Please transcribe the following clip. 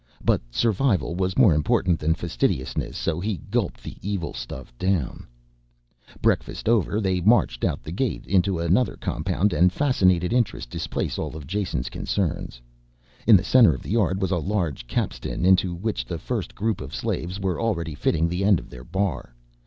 But survival was more important than fastidiousness, so he gulped the evil stuff down. Breakfast over they marched out the gate into another compound and fascinated interest displaced all of Jason's concerns. In the center of the yard was a large capstan into which the first group of slaves were already fitting the end of their bar.